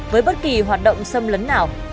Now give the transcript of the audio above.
với bất kỳ hoạt động sâm lấn nào